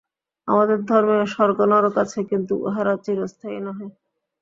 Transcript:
আমাদের ধর্মেও স্বর্গ-নরক আছে, কিন্তু উহারা চিরস্থায়ী নহে।